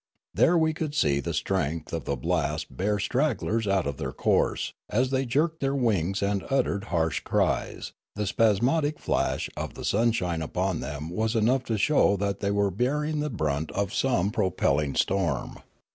There we could see the strength of the blast bear stragglers out of their course, as they jerked their wrings and uttered harsh cries ; the spasmodic flash of the sunshine upon them was enough to show that they were bearing the brunt of some propelling storm.